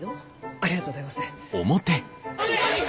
ありがとうございます。